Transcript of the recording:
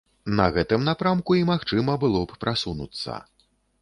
На гэтым напрамку і магчыма было б прасунуцца.